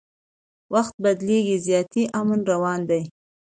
وخت بدلیږي زیاتي امن راروان دی